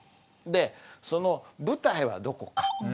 でその舞台はどこか？